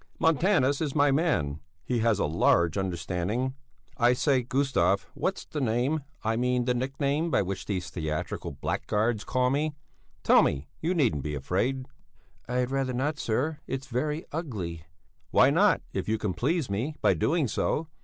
"Montanus is my man: he has a large understanding. I say, Gustav, what's the name, I mean the nickname, by which these theatrical blackguards call me? Tell me! You needn't be afraid." "I'd rather not, sir; it's very ugly." "Why not if you can please me by doing so?